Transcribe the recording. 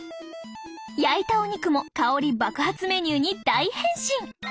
焼いたお肉も香り爆発メニューに大変身！